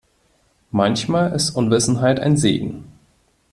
Manchmal ist Unwissenheit ein Segen.